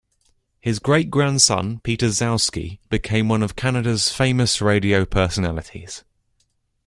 His great-grandson, Peter Gzowski, became one of Canada's famous radio personalities.